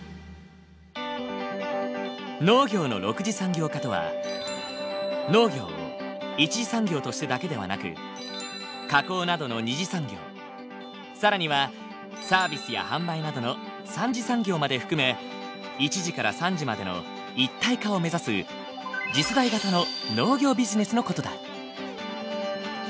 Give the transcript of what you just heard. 農業の６次産業化とは農業を一次産業としてだけではなく加工などの二次産業更にはサービスや販売などの三次産業まで含め一次から三次までの一体化を目指す次世代型の農業ビジネスの事だ。